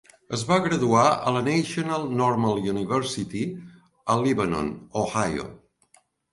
Es va graduar a la National Normal University a Lebanon, Ohio.